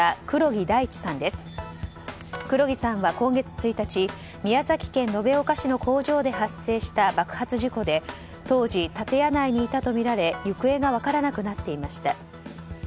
黒木さんは今月１日宮崎県延岡市の工場で発生した爆発事故で当時、建屋内にいたとみられ行方が分からなくなっていました。